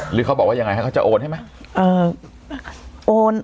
หรือเขาบอกว่ายังไงให้เขาจะโอนให้ไหม